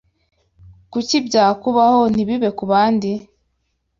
Kuki byakubaho ntibibe kubandi?